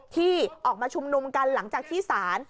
ที่ออกมาชุมนุมกันหลังจากที่ศาล